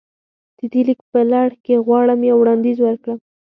د دې ليک په لړ کې غواړم يو وړانديز وکړم.